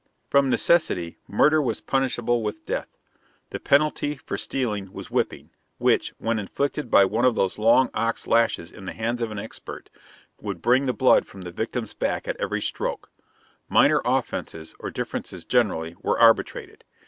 From necessity, murder was punishable with death. The penalty for stealing was whipping, which, when inflicted by one of those long ox lashes in the hands of an expert, would bring the blood from the victim's back at every stroke. Minor offenses, or differences generally, were arbitrated.